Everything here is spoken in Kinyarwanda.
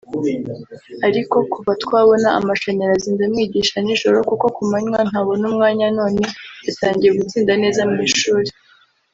Ariko kuva twabona amashanyarazi ndamwigisha nijoro kuko kumanywa ntabona umwanya none yatangiye gutsinda neza mwishuri »